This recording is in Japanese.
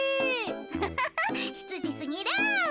アハハひつじすぎる。